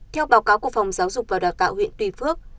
theo báo cáo của phòng giáo dục và đào tạo huyện tuy phước